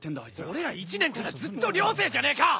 俺ら１年からずっと寮生じゃねえか！